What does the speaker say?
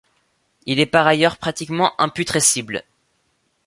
Il est par ailleurs pratiquement imputrescible.